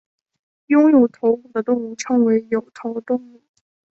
拥有头骨的动物称为有头动物。